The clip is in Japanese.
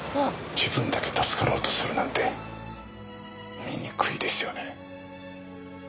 自分だけ助かろうとするなんて醜いですよね。